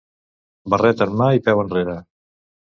Barret en mà i peu enrere.